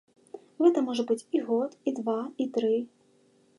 Гэта можа быць і год, і два, і тры.